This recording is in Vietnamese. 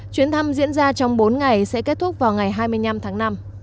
chuyến thăm diễn ra trong bốn ngày sẽ kết thúc vào ngày hai mươi năm tháng năm